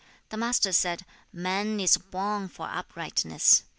The Master said, 'Man is born for uprightness.